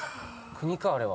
国かあれは。